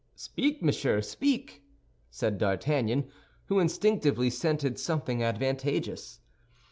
"Speak, monsieur, speak," said D'Artagnan, who instinctively scented something advantageous.